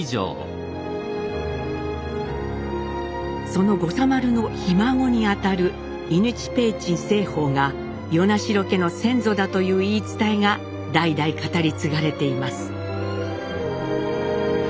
その護佐丸のひ孫にあたる伊貫親雲上盛方が与那城家の先祖だという言い伝えが代々語り継がれています。